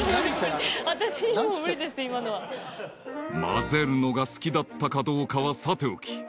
［まぜるのが好きだったかどうかはさておき］